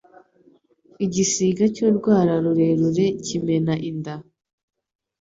Igisiga cy'urwara rurerure cyimena inda